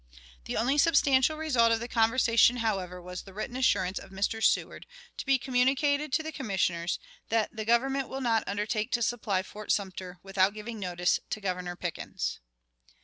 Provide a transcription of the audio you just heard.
The only substantial result of the conversation, however, was the written assurance of Mr. Seward, to be communicated to the Commissioners, that "the Government will not undertake to supply Fort Sumter without giving notice to Governor Pickens."